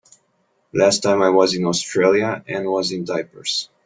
Last time I was in Australia Anne was in diapers.